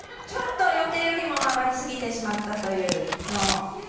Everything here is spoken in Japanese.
ちょっと予定より曲がりすぎてしまったという。